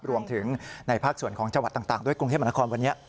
รวมถึงในภาคส่วนของจังหวัดต่างด้วยกรุงเทพมหานครวันนี้